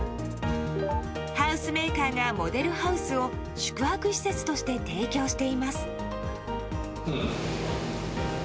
ハウスメーカーがモデルハウスを宿泊施設として提供しています。